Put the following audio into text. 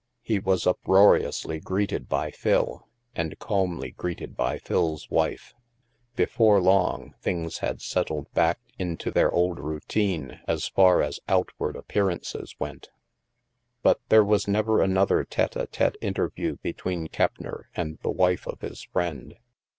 He was uproariously greeted by Phil, and calmly greeted by Phil's wife. Before long, things had settled back into their old routine, as far as outward appear ances went. But there was never another tete d tete interview between Keppner and the wife of his friend.